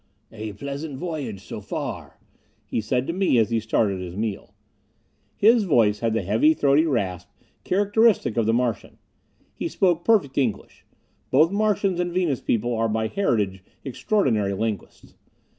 "A pleasant voyage so far," he said to me as he started his meal. His voice had the heavy, throaty rasp characteristic of the Martian. He spoke perfect English both Martians and Venus people are by heritage extraordinary linguists.